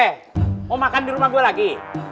eh mau makan di rumah gue lagi